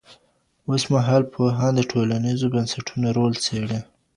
اوسمهال پوهان د ټولنیزو بنسټونو رول څېړي.